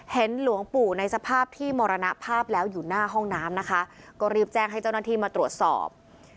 หลวงปู่ในสภาพที่มรณภาพแล้วอยู่หน้าห้องน้ำนะคะก็รีบแจ้งให้เจ้าหน้าที่มาตรวจสอบ